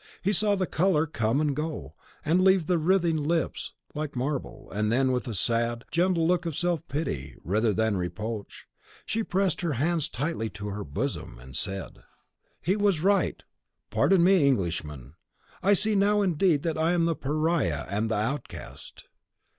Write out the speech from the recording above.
He saw the colour come and go, to leave the writhing lips like marble; and then, with a sad, gentle look of self pity, rather than reproach, she pressed her hands tightly to her bosom, and said, "He was right! Pardon me, Englishman; I see now, indeed, that I am the Pariah and the outcast."